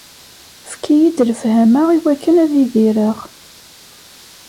Efk-iyi-d lefhama iwakken ad idireɣ.